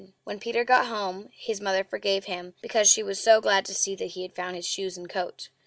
When Peter got home his mother forgave him, because she was so glad to see that he had found his shoes and coat.